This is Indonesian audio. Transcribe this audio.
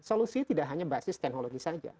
solusi tidak hanya basis teknologi saja